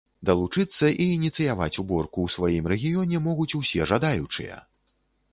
Далучыцца і ініцыяваць уборку ў сваім рэгіёне могуць усе жадаючыя!